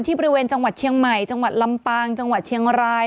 บริเวณจังหวัดเชียงใหม่จังหวัดลำปางจังหวัดเชียงราย